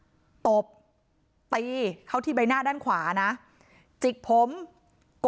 แต่จังหวะที่ผ่านหน้าบ้านของผู้หญิงคู่กรณีเห็นว่ามีรถจอดขวางทางจนรถผ่านเข้าออกลำบาก